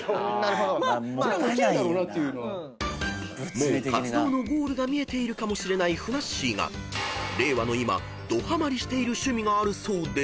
［もう活動のゴールが見えているかもしれないふなっしーが令和の今どハマりしている趣味があるそうで］